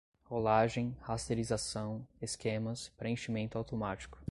rolagem, rasterização, esquemas, preenchimento automático